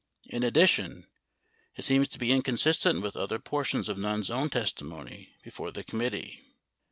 In addition, it seems to be inconsistent with other portions of Nunn's own testimony before the committee.